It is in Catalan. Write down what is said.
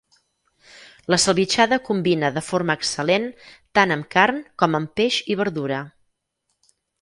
La salvitxada combina de forma excel·lent tant amb carn com amb peix i verdura.